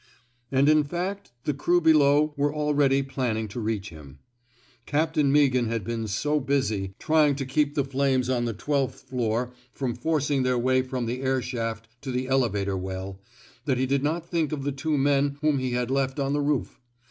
And in fact the crew below were already planning to reach him. Captain Meaghan had been so busy — trying to keep the flames 212 TEAINING '' SALLY '' WATERS on the twelfth floor from forcing their way from the air shaft to the elevator well — that he did not think of the two men whom he had left on the roof.